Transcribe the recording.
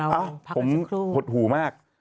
เอ้าผมหดหูมาก